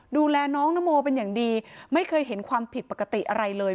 ดูแลน้องนโมเป็นอย่างดีไม่เคยเห็นความผิดปกติอะไรเลย